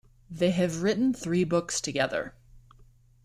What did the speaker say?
They have written three books together.